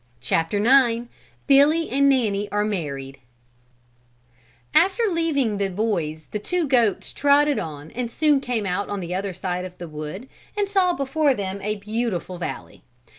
Billy and Nanny Are Married After leaving the boys the two goats trotted on and soon came out on the other side of the wood and saw before them a beautiful valley.